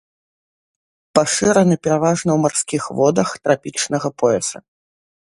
Пашыраны пераважна ў марскіх водах трапічнага пояса.